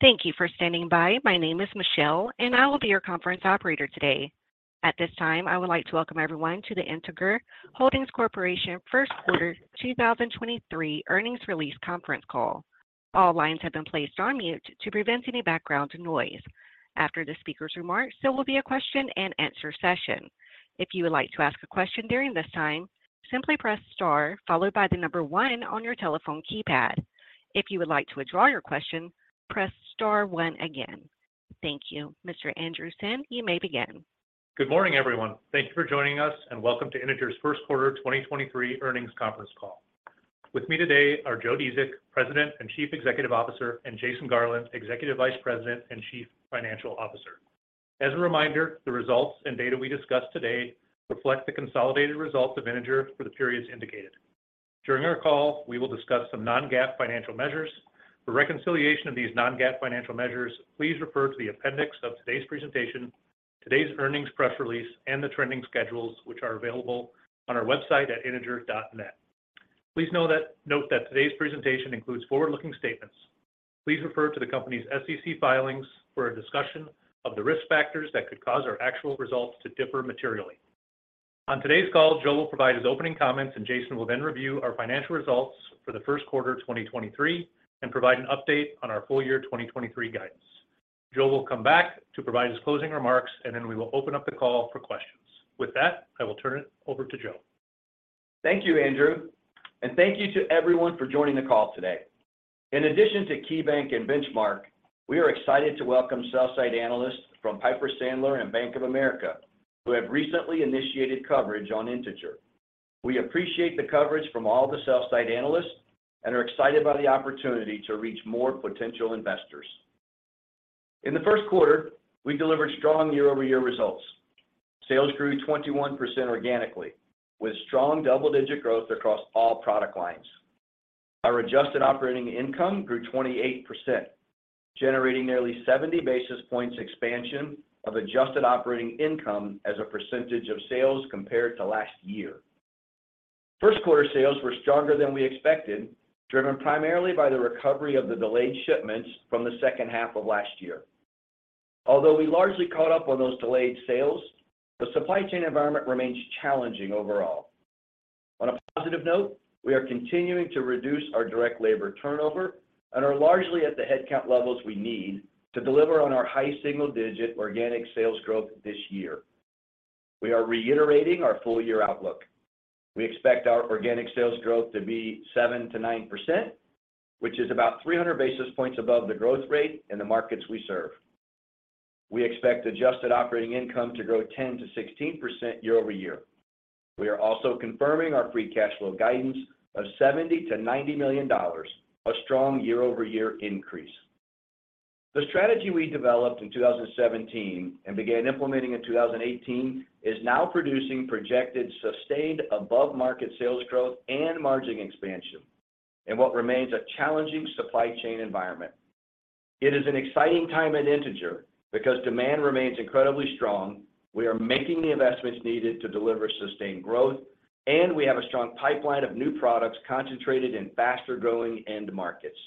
Thank you for standing by. My name is Michelle. I will be your conference operator today. At this time, I would like to welcome everyone to the Integer Holdings Corporation First Quarter 2023 Earnings Release Conference Call. All lines have been placed on mute to prevent any background noise. After the speaker's remarks, there will be a question-and-answer session. If you would like to ask a question during this time, simply press star followed by one on your telephone keypad. If you would like to withdraw your question, press star one again. Thank you. Mr. Andrew Senn, you may begin. Good morning, everyone. Thank you for joining us, and welcome to Integer's First Quarter 2023 Earnings Conference Call. With me today are Joe Dziedzic, President and Chief Executive Officer, and Jason Garland, Executive Vice President and Chief Financial Officer. As a reminder, the results and data we discuss today reflect the consolidated results of Integer for the periods indicated. During our call, we will discuss some non-GAAP financial measures. For reconciliation of these non-GAAP financial measures, please refer to the appendix of today's presentation, today's earnings press release, and the trending schedules, which are available on our website at integer.net. Please note that today's presentation includes forward-looking statements. Please refer to the company's SEC filings for a discussion of the risk factors that could cause our actual results to differ materially. On today's call, Joe will provide his opening comments, and Jason will then review our financial results for the first quarter of 2023 and provide an update on our full year 2023 guidance. Joe will come back to provide his closing remarks, and then we will open up the call for questions. With that, I will turn it over to Joe. Thank you, Andrew, thank you to everyone for joining the call today. In addition to KeyBanc and Benchmark, we are excited to welcome sell-side analysts from Piper Sandler and Bank of America, who have recently initiated coverage on Integer. We appreciate the coverage from all the sell-side analysts and are excited by the opportunity to reach more potential investors. In the first quarter, we delivered strong year-over-year results. Sales grew 21% organically, with strong double-digit growth across all product lines. Our adjusted operating income grew 28%, generating nearly 70 basis points expansion of adjusted operating income as a percentage of sales compared to last year. First quarter sales were stronger than we expected, driven primarily by the recovery of the delayed shipments from the second half of last year. We largely caught up on those delayed sales, the supply chain environment remains challenging overall. On a positive note, we are continuing to reduce our direct labor turnover and are largely at the headcount levels we need to deliver on our high single-digit organic sales growth this year. We are reiterating our full-year outlook. We expect our organic sales growth to be 7%-9%, which is about 300 basis points above the growth rate in the markets we serve. We expect adjusted operating income to grow 10%-16% year-over-year. We are also confirming our free cash flow guidance of $70 million-$90 million, a strong year-over-year increase. The strategy we developed in 2017 and began implementing in 2018 is now producing projected sustained above-market sales growth and margin expansion in what remains a challenging supply chain environment. It is an exciting time at Integer because demand remains incredibly strong, we are making the investments needed to deliver sustained growth, and we have a strong pipeline of new products concentrated in faster-growing end markets.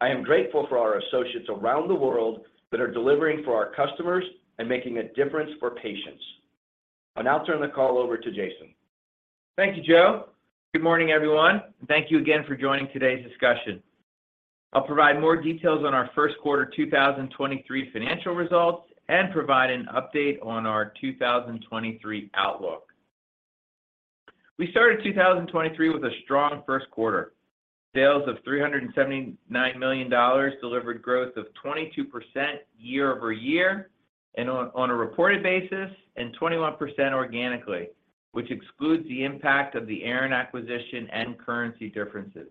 I am grateful for our associates around the world that are delivering for our customers and making a difference for patients. I'll now turn the call over to Jason. Thank you, Joe. Good morning, everyone, thank you again for joining today's discussion. I'll provide more details on our first quarter 2023 financial results and provide an update on our 2023 outlook. We started 2023 with a strong first quarter. Sales of $379 million delivered growth of 22% year-over-year and on a reported basis, and 21% organically, which excludes the impact of the Aran acquisition and currency differences.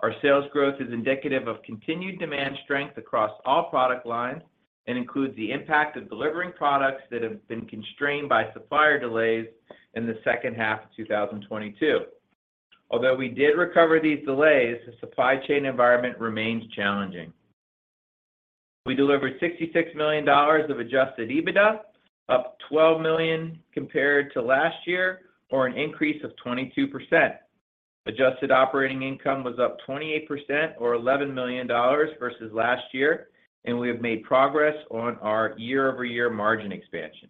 Our sales growth is indicative of continued demand strength across all product lines and includes the impact of delivering products that have been constrained by supplier delays in the second half of 2022. We did recover these delays, the supply chain environment remains challenging. We delivered $66 million of adjusted EBITDA, up $12 million compared to last year or an increase of 22%. Adjusted operating income was up 28% or $11 million versus last year, and we have made progress on our year-over-year margin expansion.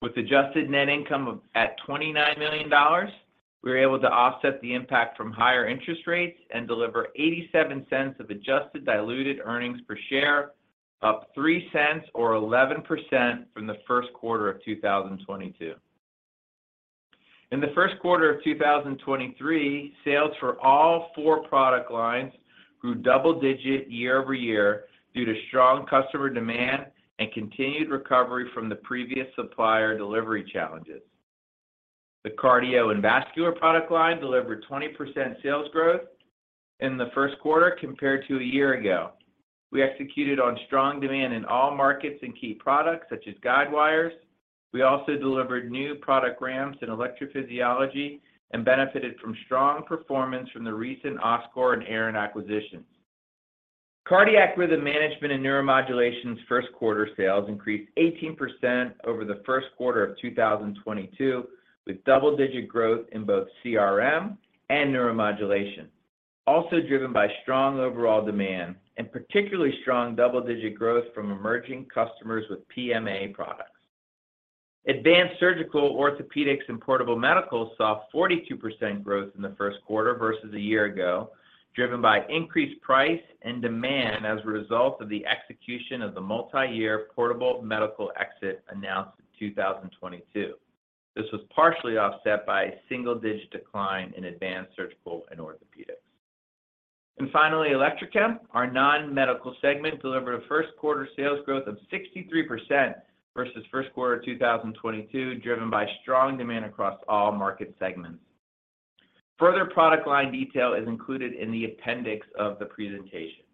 With adjusted net income at $29 million, we were able to offset the impact from higher interest rates and deliver $0.87 of adjusted diluted earnings per share, up $0.03 or 11% from the first quarter of 2022. In the first quarter of 2023, sales for all four product lines grew double digit year-over-year due to strong customer demand and continued recovery from the previous supplier delivery challenges. The Cardio & Vascular product line delivered 20% sales growth in the first quarter compared to a year ago. We executed on strong demand in all markets and key products such as guidewires. We also delivered new product ramps in electrophysiology and benefited from strong performance from the recent Oscor and Aran acquisitions. Cardiac Rhythm Management & Neuromodulation's first quarter sales increased 18% over the first quarter of 2022, with double-digit growth in both CRM and neuromodulation, also driven by strong overall demand and particularly strong double-digit growth from emerging customers with PMA products. Advanced Surgical, Orthopedics & Portable Medical saw 42% growth in the first quarter versus a year ago, driven by increased price and demand as a result of the execution of the multi-year Portable Medical exit announced in 2022. This was partially offset by a single-digit decline in Advanced Surgical and Orthopedics. Finally, Electrochem, our non-medical segment, delivered a first quarter sales growth of 63% versus first quarter 2022, driven by strong demand across all market segments. Further product line detail is included in the appendix of the presentation.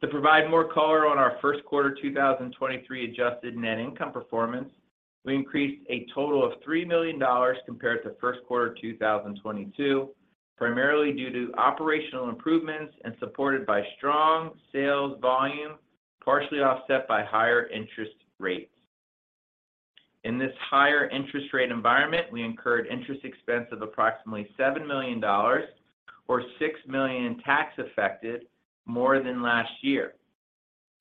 To provide more color on our first quarter 2023 adjusted net income performance, we increased a total of $3 million compared to first quarter 2022, primarily due to operational improvements and supported by strong sales volume, partially offset by higher interest rates. In this higher interest rate environment, we incurred interest expense of approximately $7 million or $6 million in tax affected more than last year.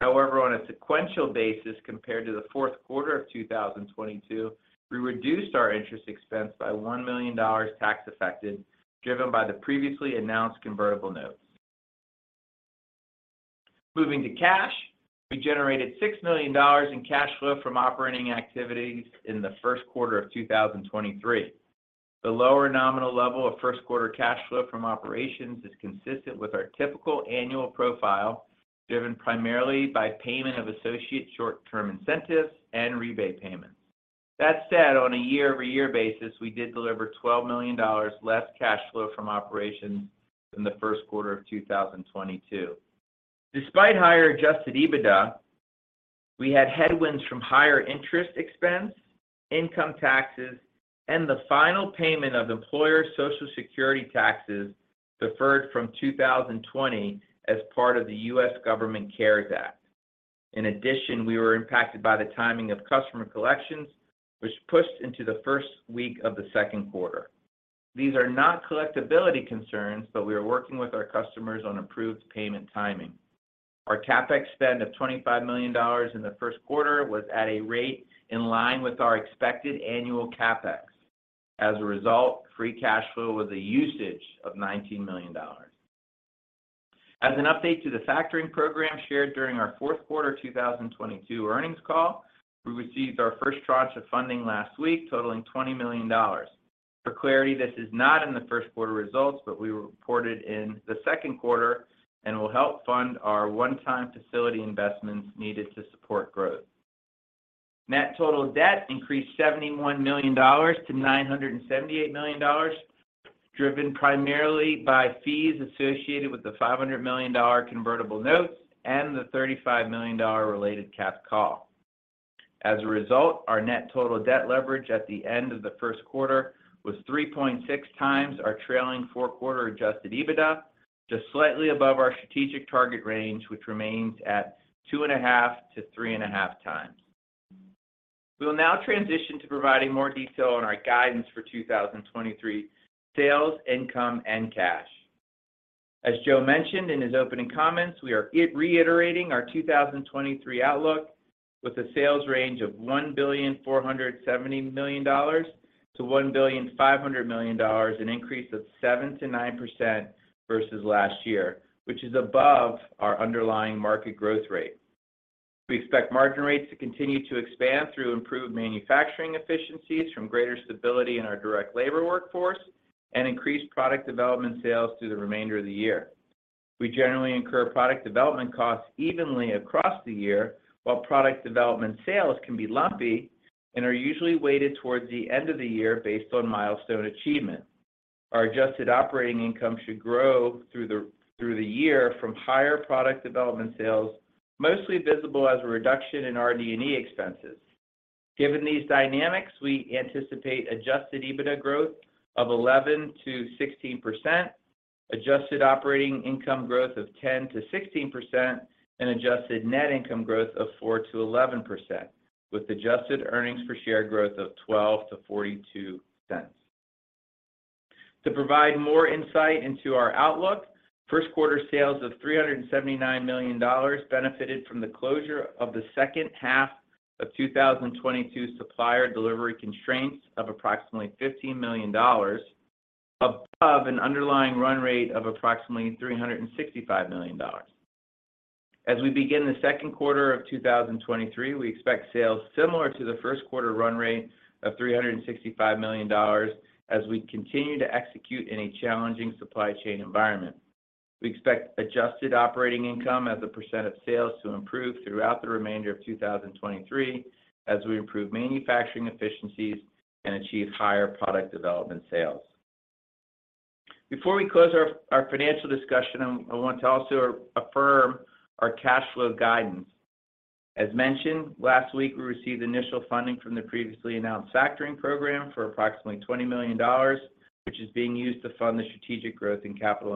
On a sequential basis compared to the fourth quarter of 2022, we reduced our interest expense by $1 million tax affected, driven by the previously announced convertible notes. Moving to cash, we generated $6 million in cash flow from operating activities in the first quarter of 2023. The lower nominal level of first quarter cash flow from operations is consistent with our typical annual profile, driven primarily by payment of associate short-term incentives and rebate payments. That said, on a year-over-year basis, we did deliver $12 million less cash flow from operations than the first quarter of 2022. Despite higher adjusted EBITDA, we had headwinds from higher interest expense, income taxes, and the final payment of employer Social Security taxes deferred from 2020 as part of the US Government CARES Act. In addition, we were impacted by the timing of customer collections, which pushed into the first week of the second quarter. These are not collectibility concerns, but we are working with our customers on improved payment timing. Our CapEx spend of $25 million in the first quarter was at a rate in line with our expected annual CapEx. As a result, free cash flow was a usage of $19 million. As an update to the factoring program shared during our fourth quarter 2022 earnings call, we received our first tranche of funding last week totaling $20 million. For clarity, this is not in the first quarter results, but we will report it in the second quarter and will help fund our one-time facility investments needed to support growth. Net total debt increased $71 million-$978 million, driven primarily by fees associated with the $500 million convertible notes and the $35 million related cash call. Our net total debt leverage at the end of the first quarter was 3.6x our trailing four quarter adjusted EBITDA, just slightly above our strategic target range, which remains at 2.5-3.5x. We will now transition to providing more detail on our guidance for 2023 sales, income and cash. As Joe mentioned in his opening comments, we are reiterating our 2023 outlook with a sales range of $1.47 billion-$1.5 billion, an increase of 7%-9% versus last year, which is above our underlying market growth rate. We expect margin rates to continue to expand through improved manufacturing efficiencies from greater stability in our direct labor workforce and increased product development sales through the remainder of the year. We generally incur product development costs evenly across the year, while product development sales can be lumpy and are usually weighted towards the end of the year based on milestone achievement. Our adjusted operating income should grow through the year from higher product development sales, mostly visible as a reduction in RD&E expenses. Given these dynamics, we anticipate adjusted EBITDA growth of 11%-16%, adjusted operating income growth of 10%-16% and adjusted net income growth of 4%-11%, with adjusted earnings per share growth of $0.12-$0.42. To provide more insight into our outlook, first quarter sales of $379 million benefited from the closure of the second half of 2022 supplier delivery constraints of approximately $15 million above an underlying run rate of approximately $365 million. As we begin the second quarter of 2023, we expect sales similar to the first quarter run rate of $365 million as we continue to execute in a challenging supply chain environment. We expect adjusted operating income as a percent of sales to improve throughout the remainder of 2023 as we improve manufacturing efficiencies and achieve higher product development sales. Before we close our financial discussion, I want to also affirm our cash flow guidance. As mentioned, last week we received initial funding from the previously announced factoring program for approximately $20 million, which is being used to fund the strategic growth in capital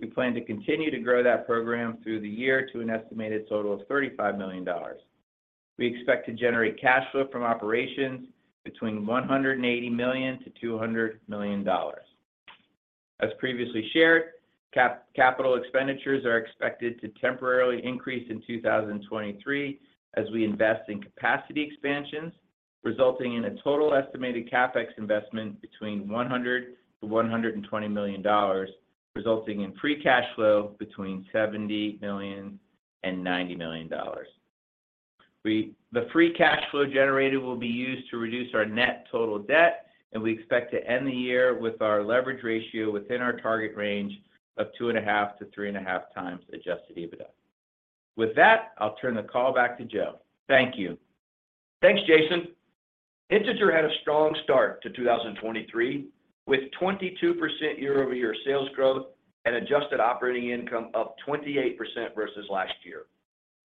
investments. We plan to continue to grow that program through the year to an estimated total of $35 million. We expect to generate cash flow from operations between $180 million-$200 million. As previously shared, capital expenditures are expected to temporarily increase in 2023 as we invest in capacity expansions, resulting in a total estimated CapEx investment between $100 million-$120 million, resulting in free cash flow between $70 million and $90 million. The free cash flow generated will be used to reduce our net total debt, and we expect to end the year with our leverage ratio within our target range of 2.5-3.5x adjusted EBITDA. With that, I'll turn the call back to Joe. Thank you. Thanks, Jason. Integer had a strong start to 2023, with 22% year-over-year sales growth and adjusted operating income up 28% versus last year.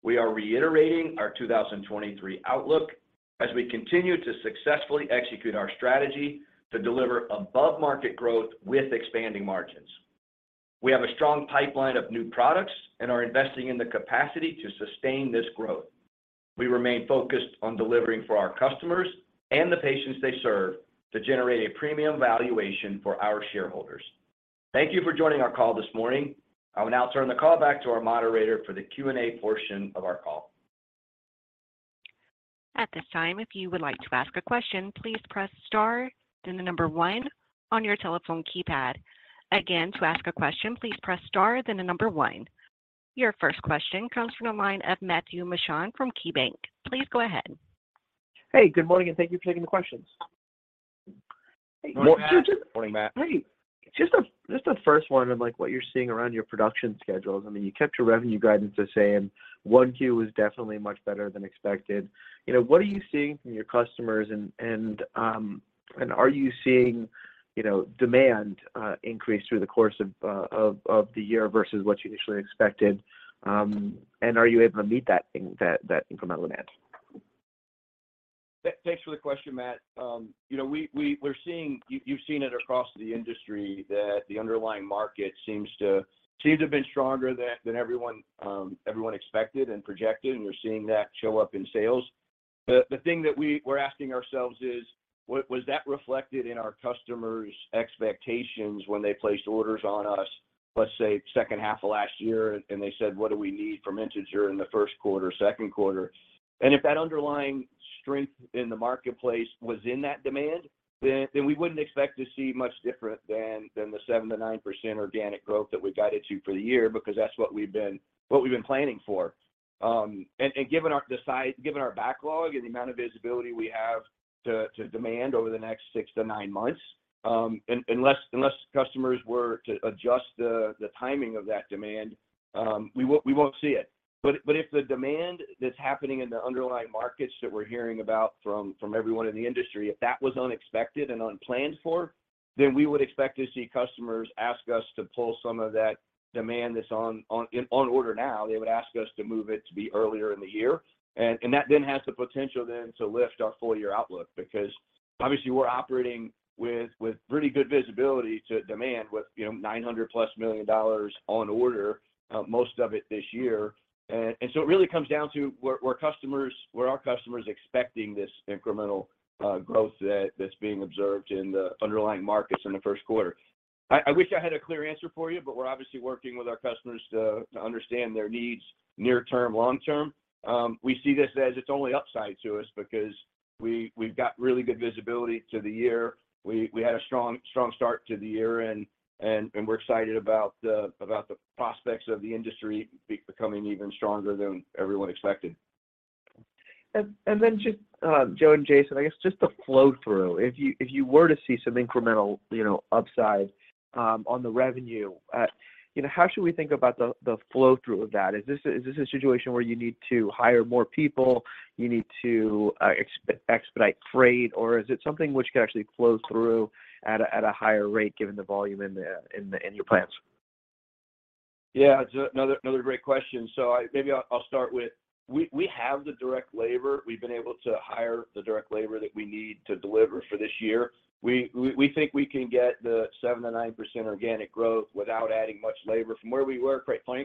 We are reiterating our 2023 outlook as we continue to successfully execute our strategy to deliver above-market growth with expanding margins. We have a strong pipeline of new products and are investing in the capacity to sustain this growth. We remain focused on delivering for our customers and the patients they serve to generate a premium valuation for our shareholders. Thank you for joining our call this morning. I will now turn the call back to our moderator for the Q&A portion of our call. At this time, if you would like to ask a question, please press star, then one on your telephone keypad. Again, to ask a question, please press star, then one. Your first question comes from the line of Matthew Mishan from KeyBanc. Please go ahead. Hey, good morning. Thank you for taking the questions. Good morning, Matt. Morning, Matt. Hey. Just the first one on, like what you're seeing around your production schedules. I mean, you kept your revenue guidance the same. 1Q was definitely much better than expected. You know, what are you seeing from your customers and are you seeing, you know, demand increase through the course of the year versus what you initially expected? And are you able to meet that incremental demand? Thanks for the question, Matt. You know, we're seeing... You've seen it across the industry that the underlying market seems to have been stronger than everyone expected and projected, and we're seeing that show up in sales. The thing that we're asking ourselves is, was that reflected in our customers' expectations when they placed orders on us, let's say, second half of last year, and they said, "What do we need from Integer in the first quarter, second quarter?" If that underlying strength in the marketplace was in that demand, then we wouldn't expect to see much different than the 7%-9% organic growth that we guided to for the year because that's what we've been planning for. Given our backlog and the amount of visibility we have to demand over the next six to nine months, unless customers were to adjust the timing of that demand, we won't see it. If the demand that's happening in the underlying markets that we're hearing about from everyone in the industry, if that was unexpected and unplanned for, then we would expect to see customers ask us to pull some of that demand that's on order now. They would ask us to move it to be earlier in the year. That then has the potential then to lift our full-year outlook because obviously we're operating with pretty good visibility to demand with, you know, $900+ million on order, most of it this year. It really comes down to were our customers expecting this incremental growth that's being observed in the underlying markets in the first quarter? I wish I had a clear answer for you, but we're obviously working with our customers to understand their needs near term, long term. We see this as it's only upside to us because we've got really good visibility to the year. We had a strong start to the year and we're excited about the prospects of the industry becoming even stronger than everyone expected. Just, Joe and Jason, I guess just the flow-through. If you, if you were to see some incremental, you know, upside, on the revenue, you know, how should we think about the flow-through of that? Is this, is this a situation where you need to hire more people, you need to expedite freight, or is it something which can actually flow through at a, at a higher rate given the volume in the in your plants? Yeah. Another great question. Maybe I'll start with we have the direct labor. We've been able to hire the direct labor that we need to deliver for this year. We think we can get the 7%-9% organic growth without adding much labor from where we were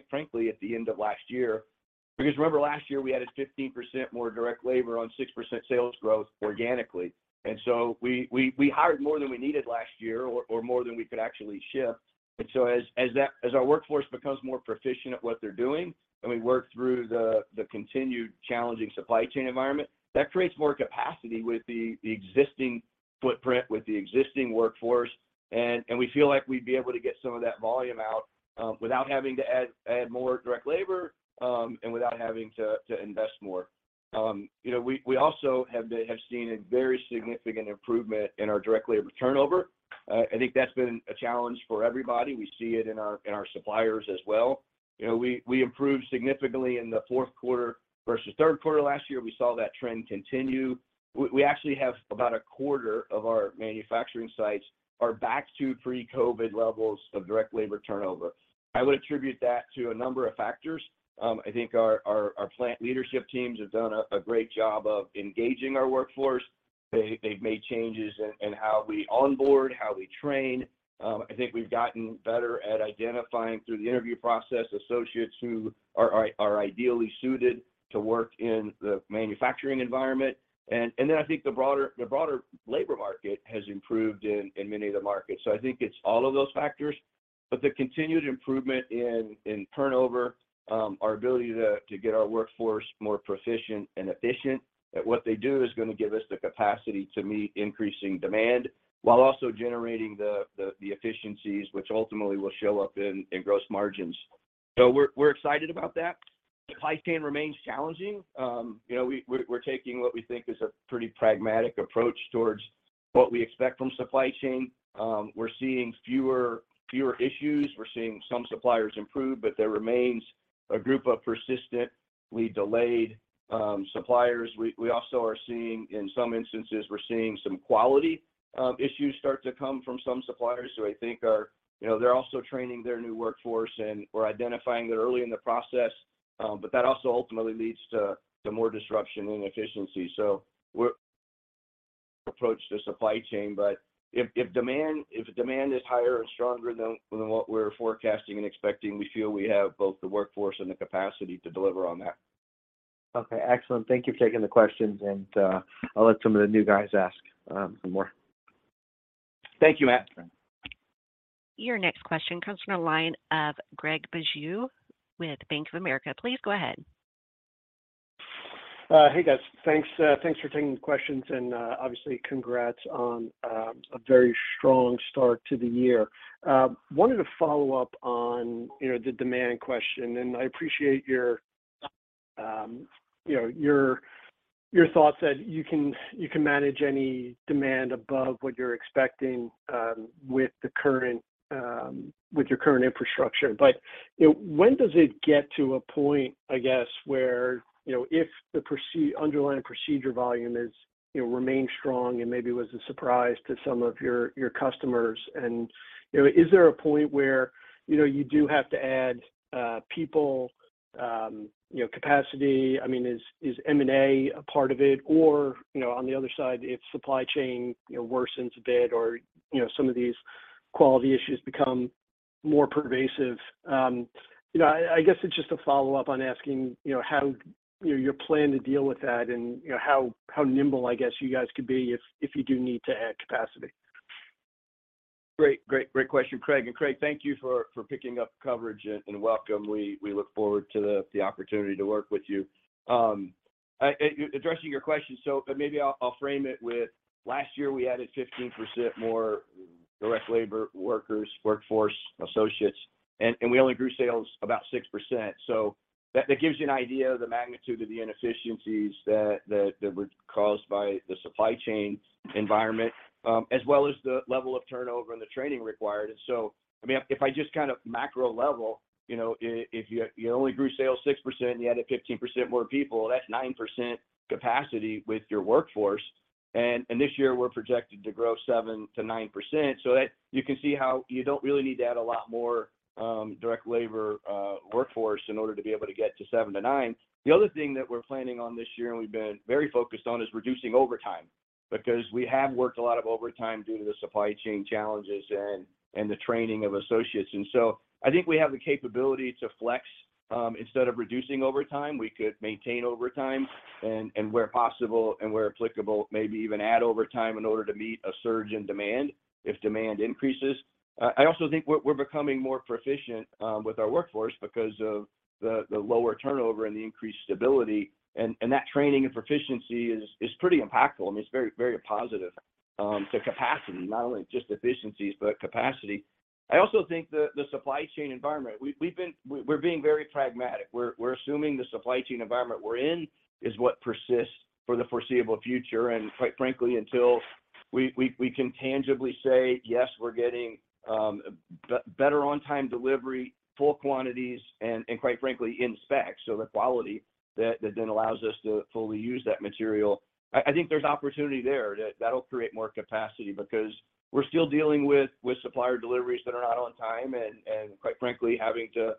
frankly at the end of last year. Because remember last year, we added 15% more direct labor on 6% sales growth organically. We hired more than we needed last year or more than we could actually ship. As our workforce becomes more proficient at what they're doing, and we work through the continued challenging supply chain environment, that creates more capacity with the existing footprint, with the existing workforce. We feel like we'd be able to get some of that volume out, without having to add more direct labor, and without having to invest more. You know, we also have seen a very significant improvement in our direct labor turnover. I think that's been a challenge for everybody. We see it in our, in our suppliers as well. You know, we improved significantly in the fourth quarter versus third quarter last year. We saw that trend continue. We actually have about a quarter of our manufacturing sites are back to pre-COVID levels of direct labor turnover. I would attribute that to a number of factors. I think our plant leadership teams have done a great job of engaging our workforce. They've made changes in how we onboard, how we train. I think we've gotten better at identifying through the interview process associates who are ideally suited to work in the manufacturing environment. Then I think the broader labor market has improved in many of the markets. I think it's all of those factors. The continued improvement in turnover, our ability to get our workforce more proficient and efficient at what they do is gonna give us the capacity to meet increasing demand while also generating the efficiencies which ultimately will show up in gross margins. We're excited about that. The supply chain remains challenging. You know, we're taking what we think is a pretty pragmatic approach towards what we expect from supply chain. We're seeing fewer issues. We're seeing some suppliers improve, but there remains a group of persistently delayed suppliers. We also are seeing in some instances, we're seeing some quality issues start to come from some suppliers who I think are, you know, they're also training their new workforce, and we're identifying it early in the process, but that also ultimately leads to more disruption in efficiency. We're approach the supply chain. If demand is higher or stronger than what we're forecasting and expecting, we feel we have both the workforce and the capacity to deliver on that. Okay. Excellent. Thank you for taking the questions, and I'll let some of the new guys ask some more. Thank you, Matt. Your next question comes from the line of Craig Bijou with Bank of America. Please go ahead. Hey, guys. Thanks. Thanks for taking the questions and obviously congrats on a very strong start to the year. Wanted to follow up on, you know, the demand question, and I appreciate your, you know, your thoughts that you can, you can manage any demand above what you're expecting with your current infrastructure. You know, when does it get to a point, I guess, where, you know, if the underlying procedure volume is, you know, remains strong and maybe was a surprise to some of your customers and, you know, is there a point where, you know, you do have to add people, you know, capacity? I mean, is M&A a part of it? you know, on the other side, if supply chain, you know, worsens a bit or, you know, some of these quality issues become more pervasive, you know, I guess it's just a follow-up on asking, you know, how, you know, your plan to deal with that and, you know, how nimble, I guess, you guys could be if you do need to add capacity. Great. Great, great question, Craig. Craig, thank you for picking up coverage, and welcome. We look forward to the opportunity to work with you. addressing your question, so maybe I'll frame it with last year we added 15% more direct labor workers, workforce associates, and we only grew sales about 6%. That gives you an idea of the magnitude of the inefficiencies that were caused by the supply chain environment, as well as the level of turnover and the training required. So, I mean, if I just kind of macro level, you know, if you only grew sales 6% and you added 15% more people, that's 9% capacity with your workforce. This year we're projected to grow 7%-9%, so that you can see how you don't really need to add a lot more direct labor workforce in order to be able to get to 7%-9%. The other thing that we're planning on this year, and we've been very focused on, is reducing overtime because we have worked a lot of overtime due to the supply chain challenges and the training of associates. I think we have the capability to flex. Instead of reducing overtime, we could maintain overtime and where possible and where applicable, maybe even add overtime in order to meet a surge in demand if demand increases. I also think we're becoming more proficient with our workforce because of the lower turnover and the increased stability and that training and proficiency is pretty impactful. I mean, it's very positive to capacity, not only just efficiencies, but capacity. I also think the supply chain environment, we're being very pragmatic. We're assuming the supply chain environment we're in is what persists for the foreseeable future, and quite frankly, until we can tangibly say, "Yes, we're getting better on time delivery, full quantities," and quite frankly in spec, so the quality that then allows us to fully use that material. I think there's opportunity there that that'll create more capacity because we're still dealing with supplier deliveries that are not on time and quite frankly having to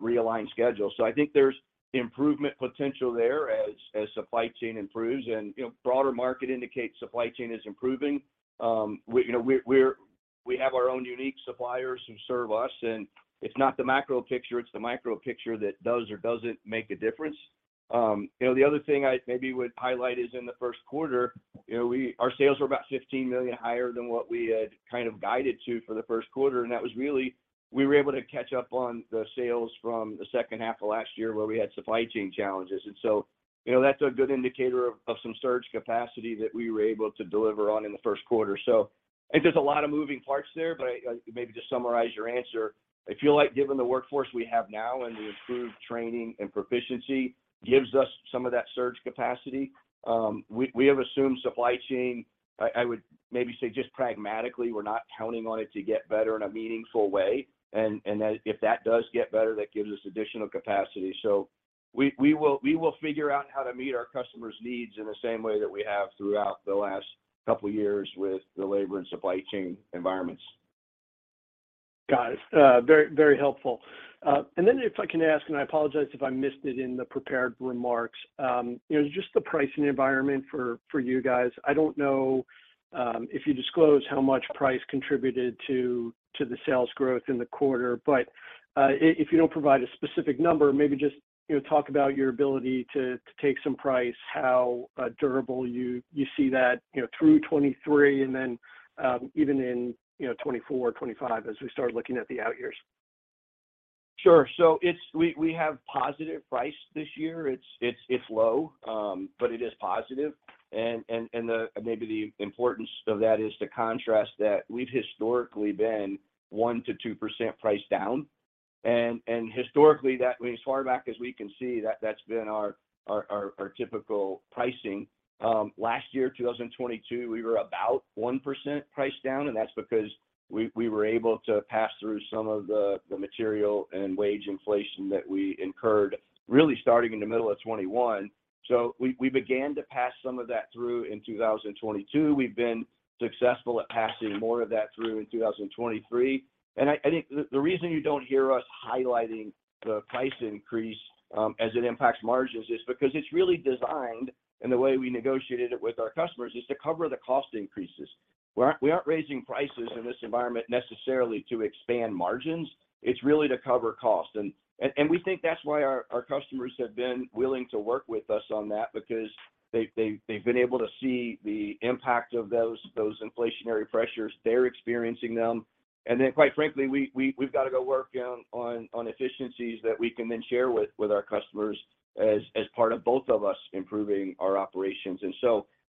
realign schedules. I think there's improvement potential there as supply chain improves and, you know, broader market indicates supply chain is improving. We, you know, we have our own unique suppliers who serve us, and it's not the macro picture, it's the micro picture that does or doesn't make a difference. You know, the other thing I maybe would highlight is in the first quarter, you know, our sales were about $15 million higher than what we had kind of guided to for the first quarter, and that was really, we were able to catch up on the sales from the second half of last year where we had supply chain challenges. You know, that's a good indicator of some surge capacity that we were able to deliver on in the first quarter. I think there's a lot of moving parts there, but I maybe just summarize your answer. I feel like given the workforce we have now and the improved training and proficiency gives us some of that surge capacity. We have assumed supply chain, I would maybe say just pragmatically, we're not counting on it to get better in a meaningful way. That if that does get better, that gives us additional capacity. We will figure out how to meet our customers' needs in the same way that we have throughout the last couple years with the labor and supply chain environments. Got it. Very, very helpful. If I can ask, and I apologize if I missed it in the prepared remarks, you know, just the pricing environment for you guys. I don't know, if you disclose how much price contributed to the sales growth in the quarter, but, if you don't provide a specific number, maybe just, you know, talk about your ability to take some price, how durable you see that, you know, through 2023 and then, even in, you know, 2024 or 2025 as we start looking at the out years. Sure. We have positive price this year. It's low, but it is positive and maybe the importance of that is to contrast that we've historically been 1%-2% price down. Historically, that as far back as we can see, that's been our typical pricing. Last year, 2022, we were about 1% price down, and that's because we were able to pass through some of the material and wage inflation that we incurred, really starting in the middle of 2021. We began to pass some of that through in 2022. We've been successful at passing more of that through in 2023. I think the reason you don't hear us highlighting the price increase as it impacts margins is because it's really designed, and the way we negotiated it with our customers, is to cover the cost increases. We aren't raising prices in this environment necessarily to expand margins. It's really to cover cost. We think that's why our customers have been willing to work with us on that because they've been able to see the impact of those inflationary pressures. They're experiencing them. Quite frankly, we've got to go work on efficiencies that we can then share with our customers as part of both of us improving our operations.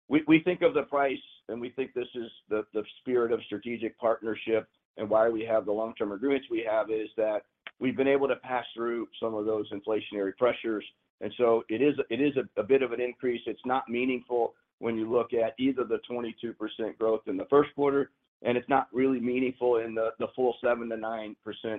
We think of the price, and we think this is the spirit of strategic partnership and why we have the long-term agreements we have is that we've been able to pass through some of those inflationary pressures. It is a bit of an increase. It's not meaningful when you look at either the 22% growth in the first quarter, and it's not really meaningful in the full 7%-9%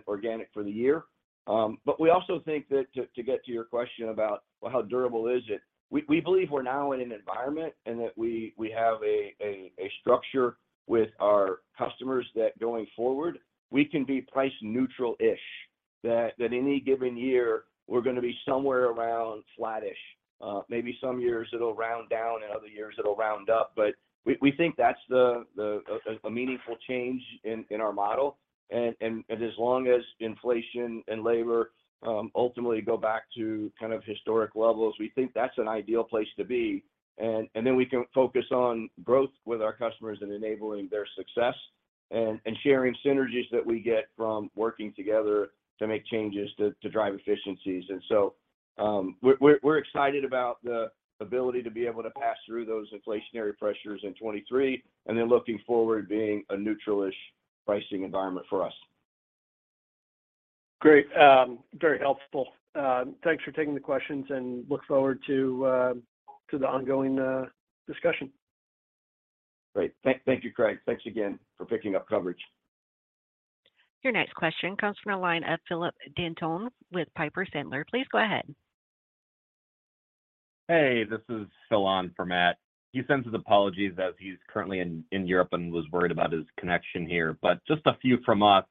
organic for the year. We also think that to get to your question about, well, how durable is it? We believe we're now in an environment and that we have a structure with our customers that going forward, we can be price neutral-ish. That any given year, we're gonna be somewhere around flattish. Maybe some years it'll round down, and other years it'll round up. We, we think that's a meaningful change in our model. As long as inflation and labor ultimately go back to kind of historic levels, we think that's an ideal place to be. Then we can focus on growth with our customers and enabling their success and sharing synergies that we get from working together to make changes to drive efficiencies. We're excited about the ability to be able to pass through those inflationary pressures in 2023, and then looking forward being a neutral-ish pricing environment for us. Great. Very helpful. Thanks for taking the questions and look forward to the ongoing discussion. Great. Thank you, Craig. Thanks again for picking up coverage. Your next question comes from the line of Phillip Dantoin with Piper Sandler. Please go ahead. Hey, this is Phil on for Matt. He sends his apologies as he's currently in Europe and was worried about his connection here. Just a few from us,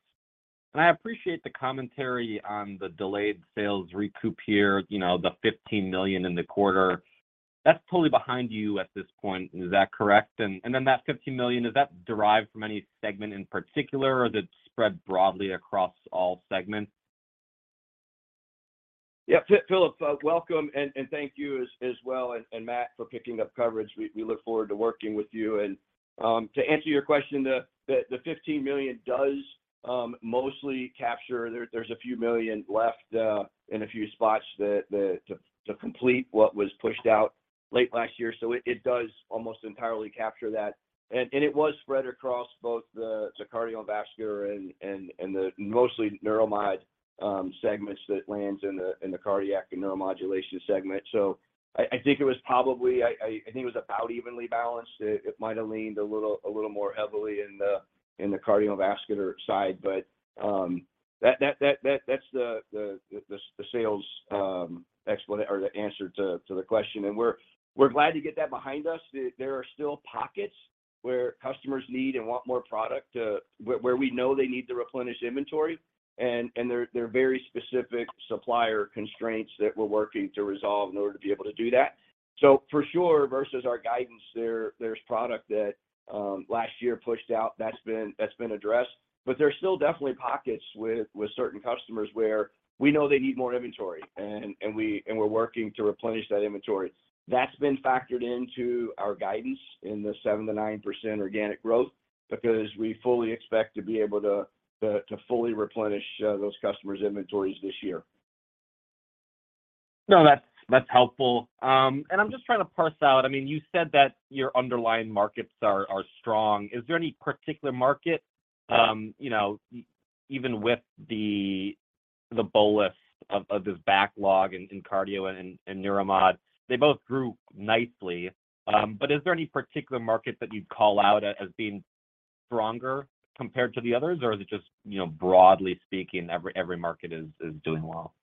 I appreciate the commentary on the delayed sales recoup here, you know, the $15 million in the quarter. That's totally behind you at this point. Is that correct? Then that $15 million, is that derived from any segment in particular, or is it spread broadly across all segments? Yeah. Phillip, welcome, and thank you as well, and Matt for picking up coverage. We look forward to working with you. To answer your question, the $15 million does mostly capture. There's a few million left in a few spots to complete what was pushed out late last year. It does almost entirely capture that. It was spread across both the cardiovascular and the mostly Neuromod segments that lands in the cardiac and neuromodulation segment. I think it was about evenly balanced. It might have leaned a little more heavily in the cardiovascular side, but that's the sales explanation or the answer to the question. We're glad to get that behind us. There are still pockets where customers need and want more product, where we know they need to replenish inventory, and there are very specific supplier constraints that we're working to resolve in order to be able to do that. For sure, versus our guidance there's product that last year pushed out that's been addressed. There are still definitely pockets with certain customers where we know they need more inventory, and we're working to replenish that inventory. That's been factored into our guidance in the 7%-9% organic growth because we fully expect to be able to fully replenish those customers' inventories this year. No, that's helpful. I'm just trying to parse out. I mean, you said that your underlying markets are strong. Is there any particular market, you know, even with the bolus of this backlog in Cardio and Neuromod, they both grew nicely. Is there any particular market that you'd call out as being stronger compared to the others? Is it just, you know, broadly speaking, every market is doing well?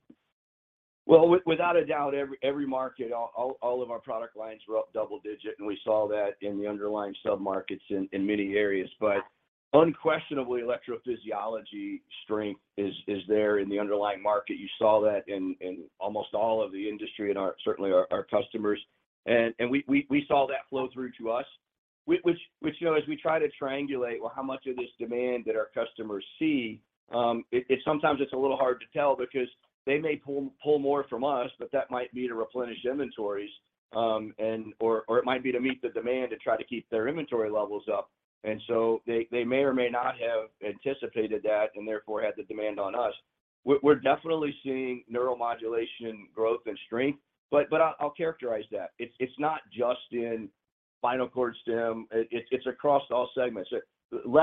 Well, without a doubt, every market, all of our product lines were up double-digit, and we saw that in many areas. Unquestionably, electrophysiology strength is there in the underlying market. You saw that in almost all of the industry and certainly our customers. We saw that flow through to us, which, you know, as we try to triangulate, well, how much of this demand that our customers see, sometimes it's a little hard to tell because they may pull more from us, but that might be to replenish inventories, and or it might be to meet the demand to try to keep their inventory levels up. They may or may not have anticipated that and therefore had the demand on us. We're definitely seeing neuromodulation growth and strength, but I'll characterize that. It's not just in spinal cord stim. It's across all segments. The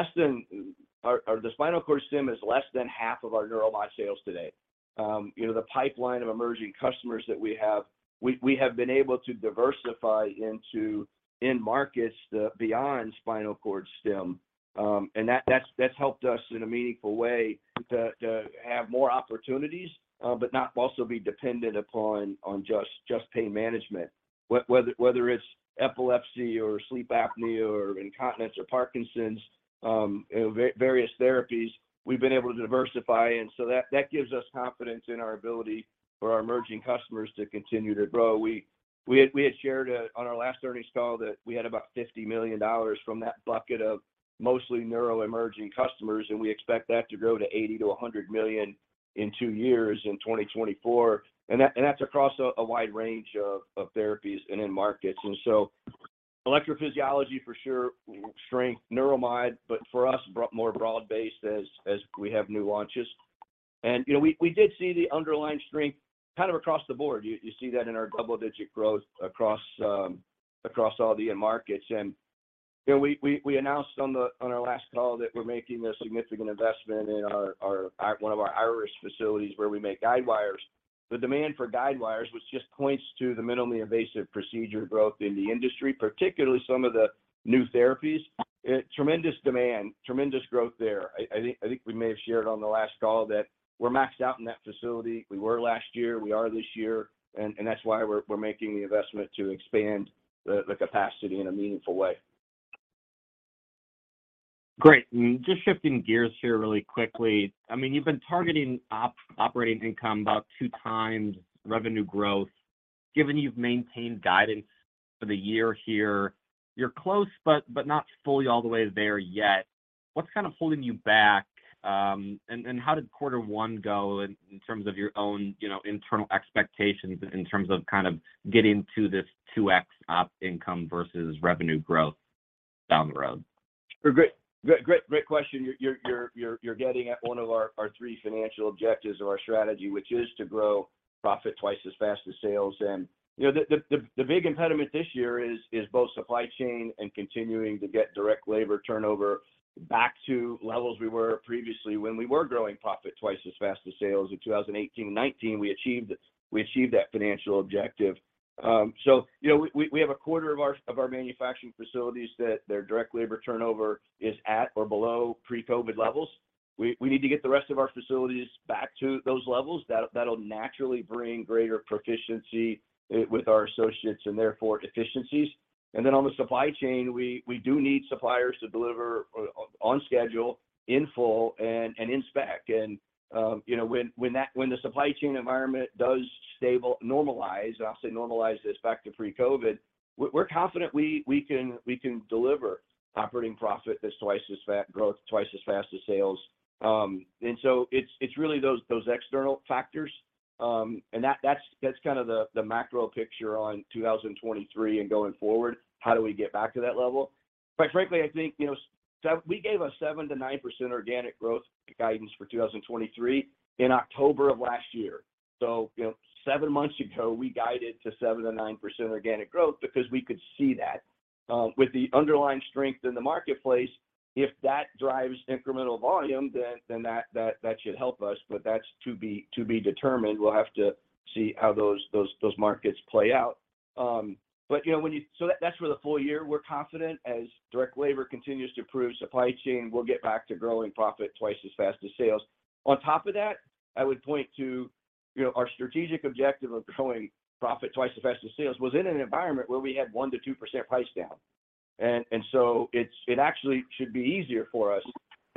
spinal cord stim is less than half of our neuromod sales today. You know, the pipeline of emerging customers that we have, we have been able to diversify into end markets beyond spinal cord stim. That's helped us in a meaningful way to have more opportunities, but not also be dependent upon just pain management. Whether it's epilepsy or sleep apnea or incontinence or Parkinson's, you know, various therapies, we've been able to diversify. So that gives us confidence in our ability for our emerging customers to continue to grow. We had shared on our last earnings call that we had about $50 million from that bucket of mostly neuro emerging customers, and we expect that to grow to $80 million-$100 million in two years in 2024. That's across a wide range of therapies and end markets. Electrophysiology for sure, strength, Neuromod, but for us, more broad-based as we have new launches. You know, we did see the underlying strength kind of across the board. You see that in our double-digit growth across all the end markets. You know, we announced on our last call that we're making a significant investment in our one of our Irish facilities where we make guidewires. The demand for guidewires, which just points to the minimally invasive procedure growth in the industry, particularly some of the new therapies, tremendous demand, tremendous growth there. I think we may have shared on the last call that we're maxed out in that facility. We were last year, we are this year, and that's why we're making the investment to expand the capacity in a meaningful way. Great. Just shifting gears here really quickly. I mean, you've been targeting operating income about 2x revenue growth. Given you've maintained guidance for the year here, you're close but not fully all the way there yet. What's kind of holding you back? And how did quarter one go in terms of your own, you know, internal expectations in terms of kind of getting to this 2x op income versus revenue growth down the road? Great question. You're getting at one of our three financial objectives or our strategy, which is to grow profit twice as fast as sales. you know, the big impediment this year is both supply chain and continuing to get direct labor turnover back to levels we were previously when we were growing profit twice as fast as sales. In 2018, 2019, we achieved that financial objective. you know, we have a quarter of our manufacturing facilities that their direct labor turnover is at or below pre-COVID levels. We need to get the rest of our facilities back to those levels. That'll naturally bring greater proficiency with our associates and therefore efficiencies. Then on the supply chain, we do need suppliers to deliver on schedule, in full, and in spec. You know, when the supply chain environment does normalize, and I'll say normalize this back to pre-COVID, we're confident we can deliver operating profit that's twice as growth twice as fast as sales. So it's really those external factors. That's kind of the macro picture on 2023 and going forward, how do we get back to that level? Quite frankly, I think, you know, we gave a 7%-9% organic growth guidance for 2023 in October of last year. You know, seven months ago, we guided to 7%-9% organic growth because we could see that. With the underlying strength in the marketplace, if that drives incremental volume, then that should help us, but that's to be determined. We'll have to see how those markets play out. You know, that's for the full year, we're confident as direct labor continues to improve, supply chain will get back to growing profit twice as fast as sales. On top of that, I would point to, you know, our strategic objective of growing profit twice as fast as sales was in an environment where we had 1%-2% price down. It actually should be easier for us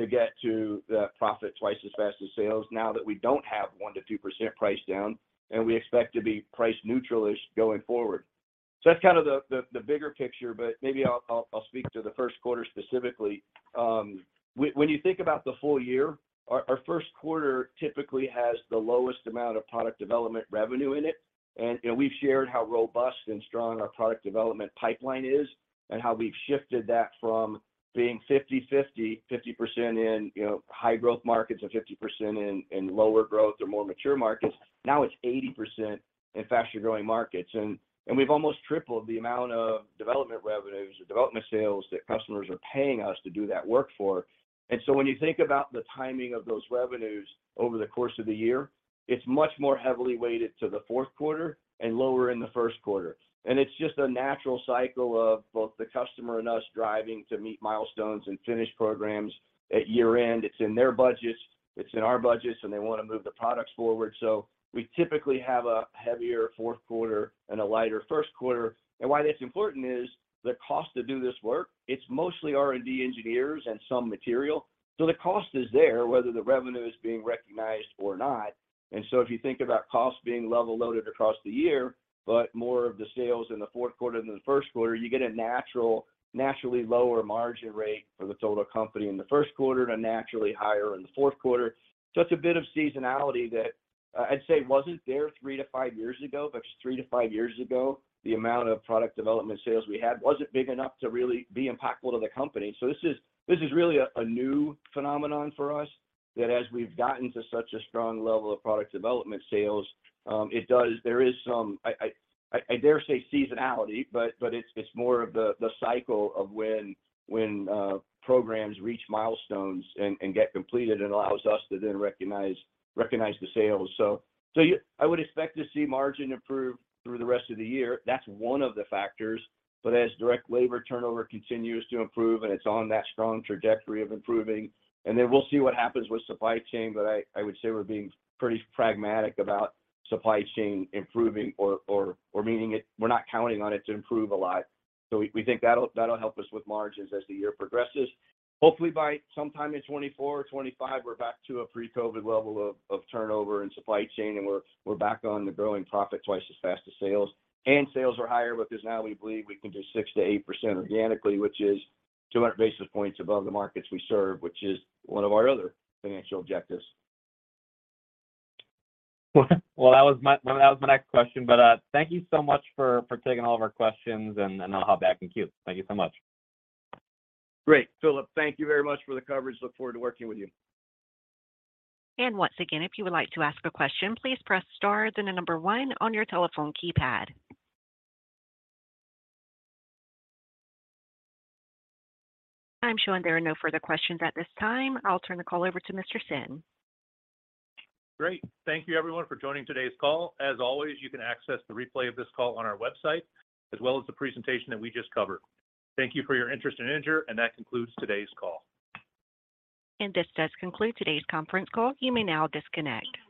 to get to that profit twice as fast as sales now that we don't have 1%-2% price down, and we expect to be price neutral-ish going forward. That's kind of the bigger picture, but maybe I'll speak to the first quarter specifically. When you think about the full year, our first quarter typically has the lowest amount of product development revenue in it. You know, we've shared how robust and strong our product development pipeline is and how we've shifted that from being 50/50% in, you know, high growth markets and 50% in lower growth or more mature markets. Now it's 80% in faster-growing markets. We've almost tripled the amount of development revenues or development sales that customers are paying us to do that work for. When you think about the timing of those revenues over the course of the year, it's much more heavily weighted to the fourth quarter and lower in the first quarter. It's just a natural cycle of both the customer and us driving to meet milestones and finish programs at year-end. It's in their budgets, it's in our budgets, and they want to move the products forward. We typically have a heavier fourth quarter and a lighter first quarter. Why that's important is the cost to do this work, it's mostly R&D engineers and some material. The cost is there, whether the revenue is being recognized or not. If you think about cost being level loaded across the year, but more of the sales in the fourth quarter than the first quarter, you get a naturally lower margin rate for the total company in the first quarter to naturally higher in the fourth quarter. It's a bit of seasonality that I'd say wasn't there three to five years ago, but there to five years ago, the amount of product development sales we had wasn't big enough to really be impactful to the company. This is really a new phenomenon for us that as we've gotten to such a strong level of product development sales, there is some I dare say seasonality, but it's more of the cycle of when programs reach milestones and get completed and allows us to then recognize the sales. I would expect to see margin improve through the rest of the year. That's one of the factors. As direct labor turnover continues to improve, it's on that strong trajectory of improving, we'll see what happens with supply chain. I would say we're being pretty pragmatic about supply chain improving or we're not counting on it to improve a lot. We think that'll help us with margins as the year progresses. Hopefully by sometime in 2024 or 2025, we're back to a pre-COVID level of turnover and supply chain, and we're back on the growing profit twice as fast as sales. Sales are higher because now we believe we can do 6%-8% organically, which is 200 basis points above the markets we serve, which is one of our other financial objectives. that was my next question, but, thank you so much for taking all of our questions, and then I'll hop back in queue. Thank you so much. Great. Phillip, thank you very much for the coverage. Look forward to working with you. Once again, if you would like to ask a question, please press star, then the number one on your telephone keypad. I'm showing there are no further questions at this time. I'll turn the call over to Mr. Senn. Great. Thank you everyone for joining today's call. As always, you can access the replay of this call on our website, as well as the presentation that we just covered. Thank you for your interest in Integer, and that concludes today's call. This does conclude today's conference call. You may now disconnect.